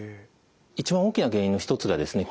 一番大きな原因の一つが腱鞘炎ですね。